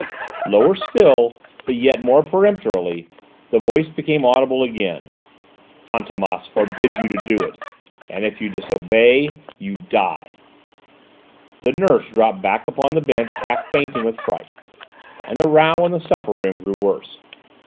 Lower still, but yet more peremptorily, the voice became audible again. "Fantômas forbids you to do it! And if you disobey, you die!" The nurse dropped back upon the bench half fainting with fright, and the row in the supper room grew worse.